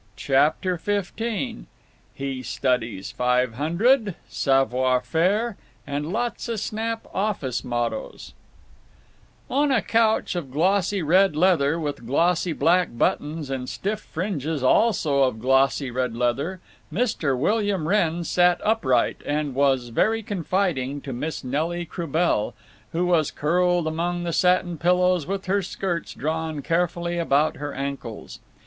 CHAPTER XV HE STUDIES FIVE HUNDRED, SAVOUIR FAIRE, AND LOTSA SNAP OFFICE MOTTOES On a couch of glossy red leather with glossy black buttons and stiff fringes also of glossy red leather, Mr. William Wrenn sat upright and was very confiding to Miss Nelly Croubel, who was curled among the satin pillows with her skirts drawn carefully about her ankles.